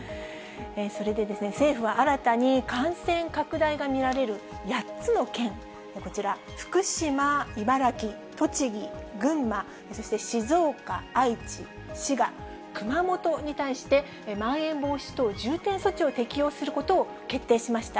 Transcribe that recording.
それで、政府は新たに、感染拡大が見られる８つの県、こちら、福島、茨城、栃木、群馬、そして静岡、愛知、滋賀、熊本に対して、まん延防止等重点措置を適用することを決定しました。